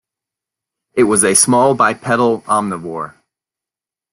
It was a small bipedal omnivore.